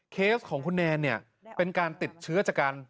เคสของคุณแนนเป็นการติดเชื้อจากกัน